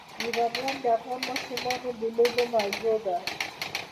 یورانیم د افغان ماشومانو د لوبو موضوع ده.